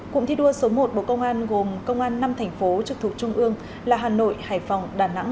cụm thi đua số một bộ công an gồm công an năm thành phố trực thuộc trung ương là hà nội hải phòng đà nẵng